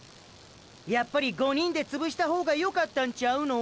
やっぱり５人で潰したほうがよかったんちゃうの？